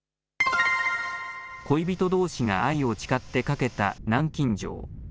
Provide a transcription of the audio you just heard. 恋人どうしが愛を誓ってかけた南京錠。